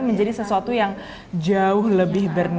agar ya si pan petun congratulations pijakan